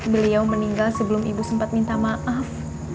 beliau meninggal sebelum ibu sempat minta maaf